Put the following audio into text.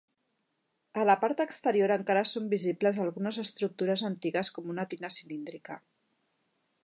A la part exterior encara són visibles algunes estructures antigues com una tina cilíndrica.